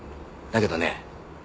だけどね